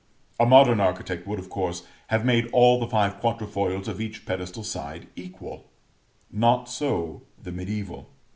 A modern architect would, of course, have made all the five quatrefoils of each pedestal side equal: not so the Mediæval.